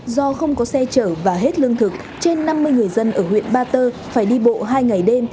do không có xe chở và hết lương thực trên năm mươi người dân ở huyện ba tơ phải đi bộ hai ngày đêm